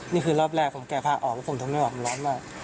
นี่คือรอบแรกผมแกะผ้าออกแล้วผมทนไม่ไหวมันร้อนมาก